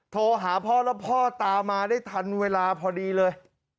โทรหาพ่อแล้วพ่อตามมาได้ทันเวลาพอดีเลย